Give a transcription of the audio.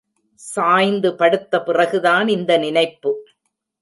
சாய்ந்து படுத்த பிறகுதான் இந்த நினைப்பு.